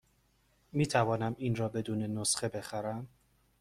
می توانم این را بدون نسخه بخرم؟